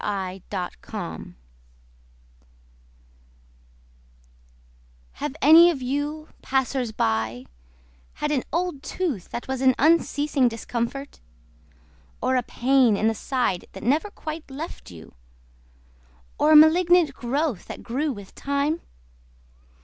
Eugenia Todd Have any of you, passers by, Had an old tooth that was an unceasing discomfort? Or a pain in the side that never quite left you? Or a malignant growth that grew with time?